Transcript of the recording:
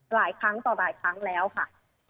หลายครั้งต่อหลายครั้งแล้วค่ะ